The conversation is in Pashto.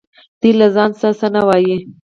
دوی له ځانه څه نه وايي